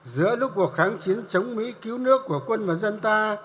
giữa lúc cuộc kháng chiến chống mỹ cứu nước của quân và dân ta